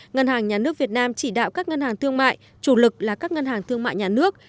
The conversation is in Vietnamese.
ngân hàng nhà nước việt nam chỉ đạo các ngân hàng thương mại chủ lực là các ngân hàng thương mại nhà nước